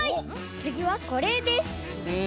つぎはこれです。えっ？